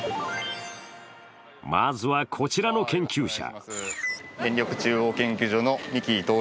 まずは、こちらの研究者。